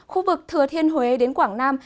khu vực thừa thiên huế đến quảng nam